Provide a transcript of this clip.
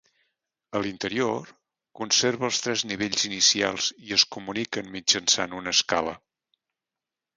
A l'interior conserva els tres nivells inicials i es comuniquen mitjançant una escala.